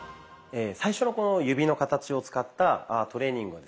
最初のこの指の形を使ったトレーニングはですね